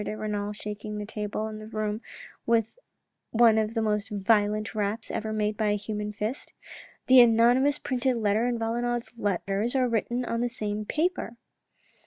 de Renal, shaking the table and the room with one of the most violent raps ever made by a human fist. "The anonymous printed letter and Valenod's letters are written on the same paper."